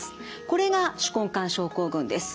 これが手根管症候群です。